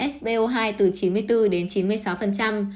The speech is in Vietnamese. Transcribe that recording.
spo hai từ chín mươi bốn đến chín mươi sáu độ bão hỏa oxy trong máu bình thường